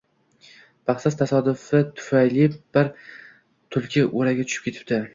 Baxtsiz tasodif tufayli bir Tulki o‘raga tushib ketibdi